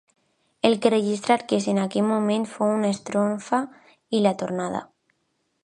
El que registrà Arques en aquell moment fou una estrofa i la tornada.